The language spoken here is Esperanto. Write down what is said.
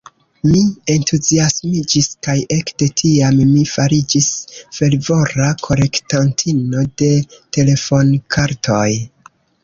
Mi entuziasmiĝis kaj ekde tiam mi fariĝis fervora kolektantino de telefonkartoj.